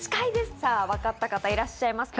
さぁ分かった方いらっしゃいますか？